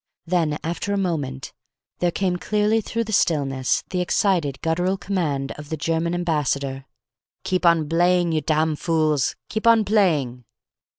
Then, after a moment, there came clearly through the stillness, the excited, guttural command of the German ambassador. "Keep on blaying, you tam fools! Keep on blaying!"